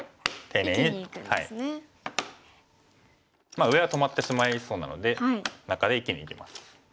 まあ上は止まってしまいそうなので中で生きにいきます。